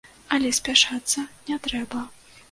Але спяшацца не трэба.